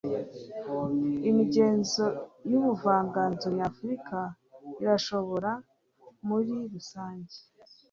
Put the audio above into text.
imigenzo yubuvanganzo nyafurika irashobora muri rusange